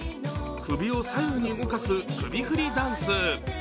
首を左右に動かす首振りダンス。